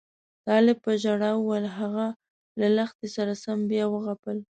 طالب په ژړا وویل هغه له لښتې سره سم بیا وغپل.